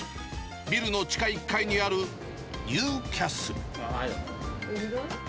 ビルの地下１階にあるニューキャッスル。